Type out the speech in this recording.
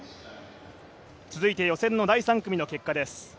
続いて予選の第３組の結果です。